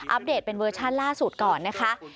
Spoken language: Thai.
เดตเป็นเวอร์ชันล่าสุดก่อนนะคะ